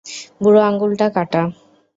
বুড়ো আঙুলটা কাটা।